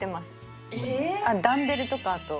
ダンベルとかあと。